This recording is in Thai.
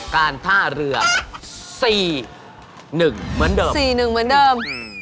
การท่าเรือ๔๑เหมือนเดิม